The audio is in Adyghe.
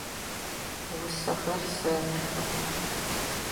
Усэхэр сэтхы.